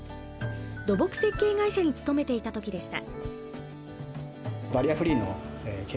土木設計会社に勤めていた時でした。